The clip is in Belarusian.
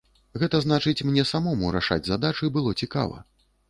Гэта значыць, мне самому рашаць задачы было цікава.